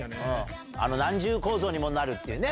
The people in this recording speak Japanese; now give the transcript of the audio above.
何重構造にもなるっていうね